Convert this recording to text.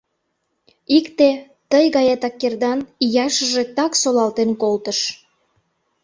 Икте, тый гаетак кердан, ияшыже так солалтен колтыш.